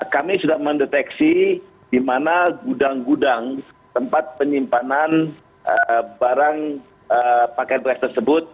kami sudah mendeteksi di mana gudang gudang tempat penyimpanan barang pakaian beras tersebut